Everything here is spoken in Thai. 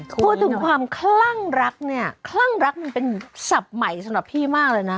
พูดถึงความคลั่งรักเนี่ยคลั่งรักมันเป็นศัพท์ใหม่สำหรับพี่มากเลยนะ